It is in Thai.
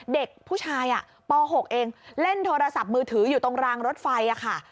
เด็กผู้ชายป๖เองเล่นโทรศัพท์มือถืออยู่ตรงรางรถไฟค่ะ